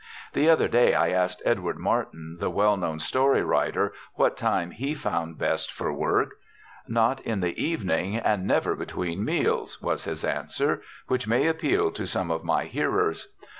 The other day I asked Edward Martin, the well known story writer, what time he found best for work. "Not in the evening, and never between meals!" was his answer, which may appeal to some of my hearers.